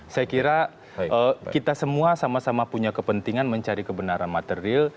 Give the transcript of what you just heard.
saya kira kita semua sama sama punya kepentingan mencari kebenaran material